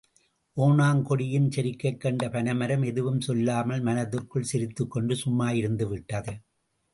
ஒணாங் கொடியின் செருக்கைக் கண்ட பனைமரம், எதுவும் சொல்லாமல் மனத்திற்குள் சிரித்துக்கொண்டு சும்மாயிருந்துவிட்டது.